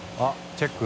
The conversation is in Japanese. △チェック？